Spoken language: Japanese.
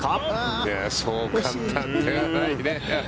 そう簡単ではないね。